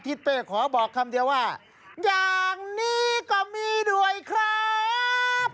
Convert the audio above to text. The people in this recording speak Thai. เป้ขอบอกคำเดียวว่าอย่างนี้ก็มีด้วยครับ